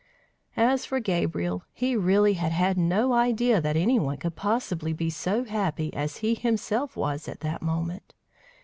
As for Gabriel, he really had had no idea that any one could possibly be so happy as he himself was at that moment!